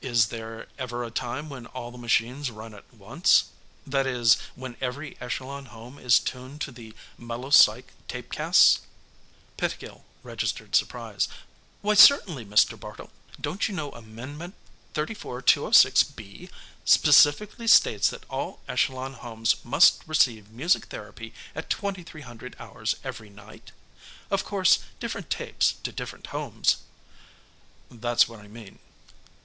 "Is there ever a time when all the machines run at once? That is, when every Echelon home is tuned to the melopsych tapecasts?" Pettigill registered surprise. "Why, certainly, Mr. Bartle. Don't you know Amendment 34206 B specifically states that all Echelon homes must receive music therapy at 2300 hours every night? Of course, different tapes to different homes." "That's what I mean."